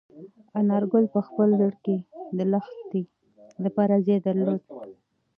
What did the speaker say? انارګل په خپل زړه کې د لښتې لپاره ځای درلود.